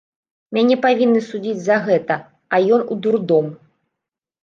Мяне павінны судзіць за гэта, а ён у дурдом.